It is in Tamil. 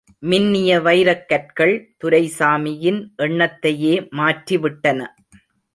மின்னிய வைரக் கற்கள், துரைசாமியின் எண்ணத்தையே மாற்றிவிட்டன.